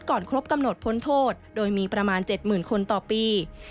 ครบกำหนดพ้นโทษโดยมีประมาณ๗๐๐คนต่อปี